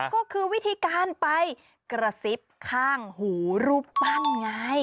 ก็คือวิธีการไปกระซิบข้างหูรูปปั้นไง